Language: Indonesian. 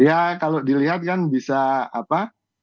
ya kalau dilihat kan bisa apa